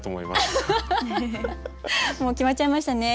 もう決まっちゃいましたね